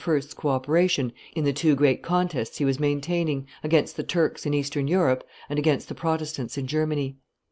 's co operation in the two great contests he was maintaining, against the Turks in eastern Europe and against the Protestants in Germany.